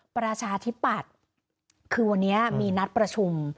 ประชาธิปัตย์คือวันนี้มีนัดประชุม